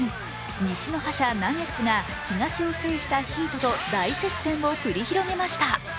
西の覇者・ナゲッツが東を制したヒートと大接戦を繰り広げました。